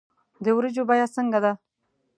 د ورجو بیه څنګه ده